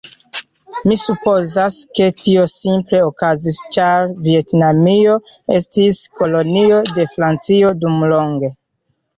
Mi supozas, ke tio simple okazis ĉar Vjetnamio estis kolonio de Francio dumlonge